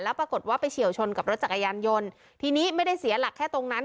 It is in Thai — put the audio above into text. ปรากฏว่าไปเฉียวชนกับรถจักรยานยนต์ทีนี้ไม่ได้เสียหลักแค่ตรงนั้น